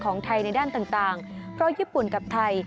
ของไทยในด้านต่างเพราะญี่ปุ่นกับไทย